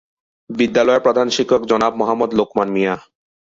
বিদ্যালয়ের প্রধান শিক্ষক জনাব মোহাম্মদ লোকমান মিয়া।